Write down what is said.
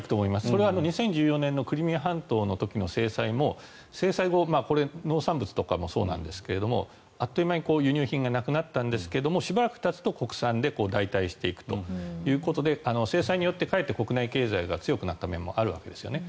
これは２０１４年のクリミア半島の時の制裁も農産物とかもそうですがあっという間に輸入品がなくなったんですがしばらくたつと国産で代替していくということで制裁によって、かえって国内経済が強くなった面もあるわけですね。